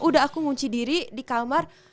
udah aku ngunci diri di kamar